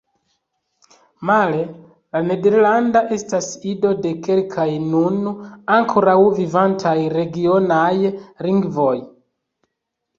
Male, la nederlanda estas ido de kelkaj nun ankoraŭ vivantaj regionaj lingvoj.